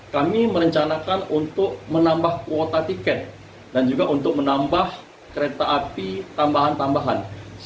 kami merencanakan untuk menambah kuota tiket dan juga untuk menambah kereta api tambahan tambahan